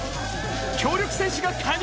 強力選手が加入。